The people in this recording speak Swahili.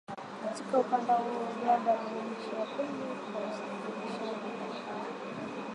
Katika ukanda huo Uganda ni nchi ya pili kwa usafirishaji